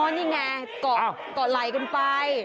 อ๋อนี่ไงก็ไหล่กันไป